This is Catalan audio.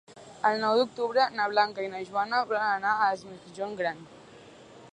El nou d'octubre na Blanca i na Joana volen anar a Es Migjorn Gran.